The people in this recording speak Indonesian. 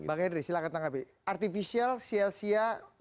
bang henry silahkan tanggapi artificial sia sia